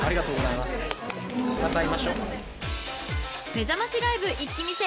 ［めざましライブ一気見せ。